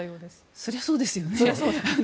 そりゃそうですよね。